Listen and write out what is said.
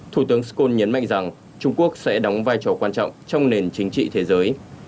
thủ tướng scots nhấn mạnh rằng trung quốc sẽ đóng vai trò quan trọng trong nền chính trị thế giới